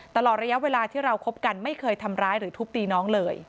ตลอดระยะเวลาที่เราคบกันไม่เคยทำร้ายหรือทุบตีน้องเลย